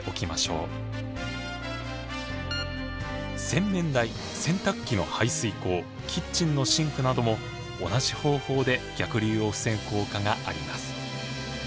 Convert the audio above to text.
洗面台洗濯機の排水口キッチンのシンクなども同じ方法で逆流を防ぐ効果があります。